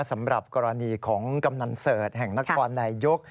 สำหรับกรณีของกำนันเสิร์ชแห่งนครนายยก